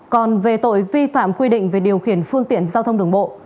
còn về tội vi phạm quy định về điều khiển phương tiện giao thông đường bộ